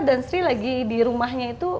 dan sri lagi di rumahnya itu